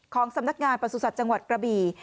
สำนักงานประสุทธิ์จังหวัดกระบี่